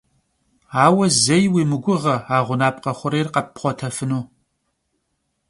Aue zei vui mıguğe a ğunapkhe xhurêyr kheppxhuetefınu.